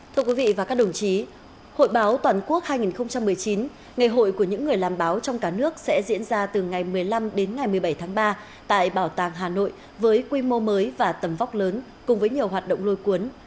thưa quý vị và các đồng chí hội báo toàn quốc hai nghìn một mươi chín ngày hội của những người làm báo trong cả nước sẽ diễn ra từ ngày một mươi năm đến ngày một mươi bảy tháng ba tại bảo tàng hà nội với quy mô mới và tầm vóc lớn cùng với nhiều hoạt động lôi cuốn